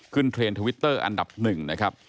เทรนด์ทวิตเตอร์อันดับหนึ่งนะครับ